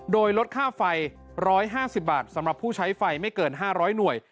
โดยลดค่าไฟ๑๕๐บาทสำหรับผู้ใช้ไฟไม่เกิน๕๐๐หน่วย